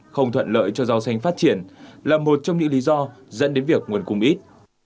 không thuận lợi cho rau xanh phát triển là một trong những lý do dẫn đến việc nguồn cung ít